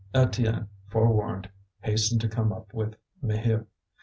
Étienne, forewarned, hastened to come up with Maheu.